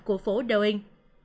của phố dunning